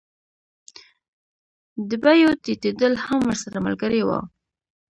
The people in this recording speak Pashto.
د بیو ټیټېدل هم ورسره ملګري وي